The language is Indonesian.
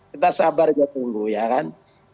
kita sabar aja tunggu ya kan